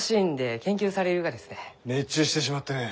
熱中してしまってね。